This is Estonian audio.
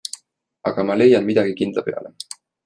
Aga ma leian midagi kindla peale.